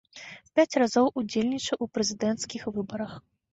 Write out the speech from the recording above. Пяць разоў удзельнічаў у прэзідэнцкіх выбарах.